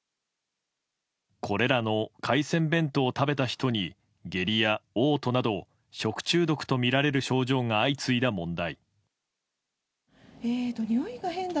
これらの海鮮弁当を食べた人に下痢や嘔吐など食中毒とみられる症状が相次いだ問題。